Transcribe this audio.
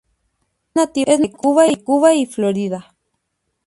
Es nativa de Cuba y Florida.